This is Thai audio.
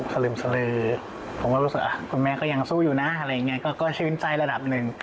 ผมก็รู้สึกว่าคุณแม่ก็ยังสู้อยู่นะอะไรอย่างนี้ก็ชีวิตใจระดับหนึ่ง